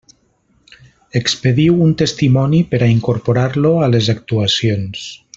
Expediu un testimoni per a incorporar-lo a les actuacions.